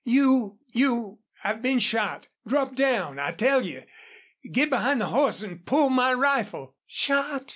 You you " "I've been shot. Drop down, I tell you. Get behind the horse an' pull my rifle." "Shot!"